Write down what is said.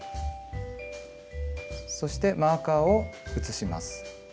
そしてマーカーを移します。